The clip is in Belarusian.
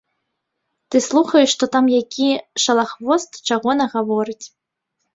Ты слухаеш, што там які шалахвост чаго нагаворыць.